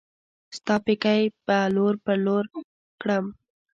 ستا پيکی به لور پر لور کړم